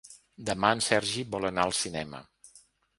Demà en Sergi vol anar al cinema.